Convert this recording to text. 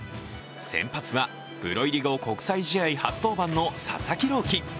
先発はプロ入り後国際試合初登板の佐々木朗希。